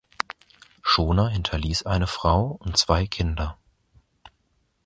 Schoner hinterließ eine Frau und zwei Kinder.